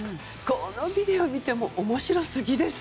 このビデオを見ても面白すぎです。